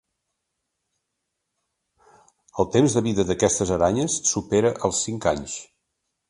El temps de vida d'aquestes aranyes supera els cinc anys.